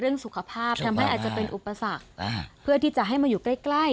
สุขภาพทำให้อาจจะเป็นอุปสรรคเพื่อที่จะให้มาอยู่ใกล้ใกล้